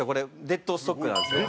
デッドストックなんですか？